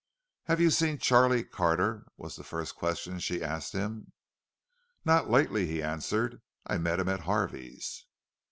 "Have you seen Charlie Carter?" was the first question she asked him. "Not lately," he answered; "I met him at Harvey's."